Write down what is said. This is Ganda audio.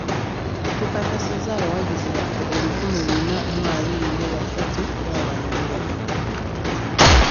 Tukakasizza abawagizi baffe ebikumi Bina mu abiri mu basatu bawambibwa